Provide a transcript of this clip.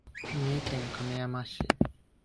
三重県亀山市